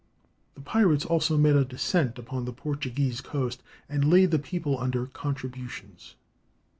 The pirates also made a descent upon the Portuguese coast and laid the people under contributions.